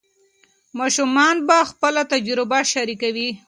ماشومان به خپله تجربه شریکوي.